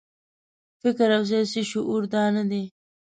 فکر او سیاسي شعور دا نه دی.